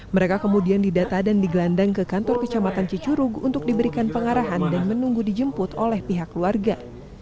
mereka kemudian didata dan digelandang ke kantor kecamatan cicurug untuk diberikan pengarahan dan menunggu dijemput oleh pihak keluarga